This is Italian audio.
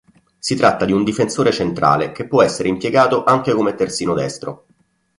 Si tratta di un difensore centrale che può essere impiegato anche come terzino destro.